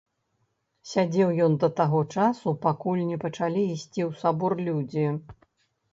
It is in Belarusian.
Сядзеў ён да таго часу, пакуль не пачалі ісці ў сабор людзі.